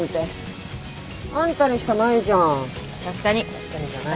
「確かに」じゃない。